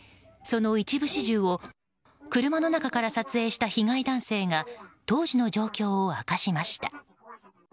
その一部始終を車の中から撮影した被害男性が当時の状況を明かしました。